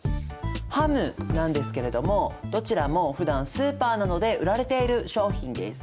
ハムなんですけれどもどちらもふだんスーパーなどで売られている商品です。